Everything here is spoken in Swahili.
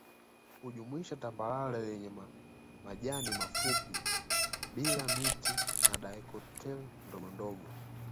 Hujumuisha tambarare lenye majani mafupi bila miti na dicot tele ndogondogo